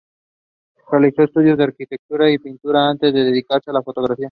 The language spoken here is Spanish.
Realizó estudios de arquitectura y pintura antes de dedicarse a la fotografía.